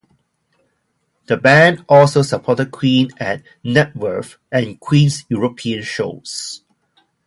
The band also supported Queen at Knebworth and Queen's European shows.